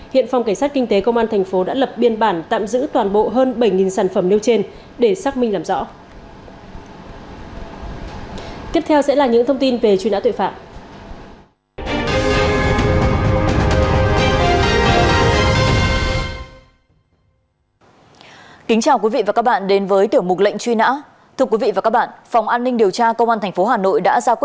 hiện phòng cảnh sát kinh tế công an tp đã lập biên bản tạm giữ toàn bộ hơn bảy sản phẩm nêu trên để xác minh làm rõ